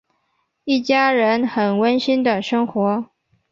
一家人很温馨的生活。